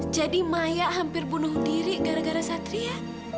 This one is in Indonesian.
jadi maya hampir bunuh diri gara gara satria